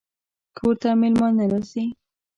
کور ته مېلمانه راځي